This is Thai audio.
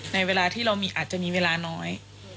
เวลาที่เรามีอาจจะมีเวลาน้อย